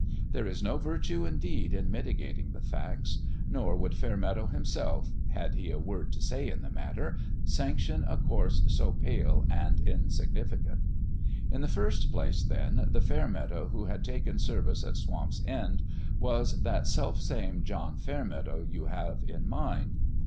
There is no virtue, indeed, in mitigating the facts ; nor would Fairmeadow himself had he a word to say in the matter sanction a course so pale and insignificant. In the first place, then, the Fair meadow who had taken service at Swamp's End was that selfsame John Fairmeadow you have in mind.